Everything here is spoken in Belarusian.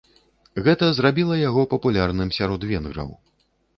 Гэта зрабіла яго папулярным сярод венграў.